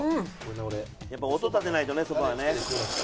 やっぱ音立てないとねそばはね。